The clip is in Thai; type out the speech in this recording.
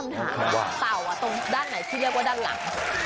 คุณพี่มีคำถามครับว่าเต่าตรงด้านไหนที่เรียกว่าด้านหลัง